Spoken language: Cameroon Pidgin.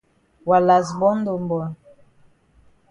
Wa kas born don born.